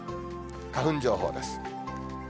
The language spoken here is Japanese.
花粉情報です。